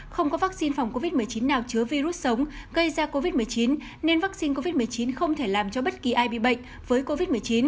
không có vaccine phòng covid một mươi chín nào chứa virus sống gây ra covid một mươi chín nên vaccine covid một mươi chín không thể làm cho bất kỳ ai bị bệnh với covid một mươi chín